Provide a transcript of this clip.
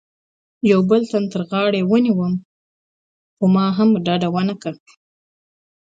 یوه بل تن تر غاړې ونیولم، ما هم ډډه و نه کړه.